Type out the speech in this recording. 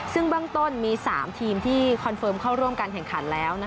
ซึ่งเบื้องต้นมี๓ทีมที่คอนเฟิร์มเข้าร่วมการแข่งขันแล้ว